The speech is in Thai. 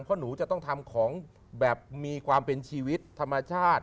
เพราะหนูจะต้องทำของแบบมีความเป็นชีวิตธรรมชาติ